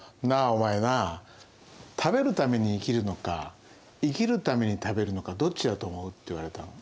お前なあ食べるために生きるのか生きるために食べるのかどっちだと思うって言われたの。